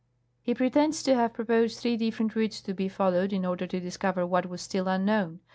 " He pretends to have proposed three different routes to be followed in order to discover what was still unknown.